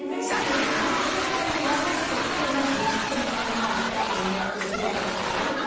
だから何かやろうとして何かやっても空回りして後でネットですごいたたかれてるとか。